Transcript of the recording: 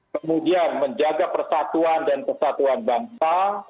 kemudian menjaga persatuan dan kesatuan bangsa